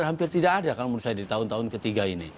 hampir tidak ada kalau menurut saya di tahun tahun ketiga ini